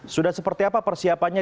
sudah seperti apa persiapannya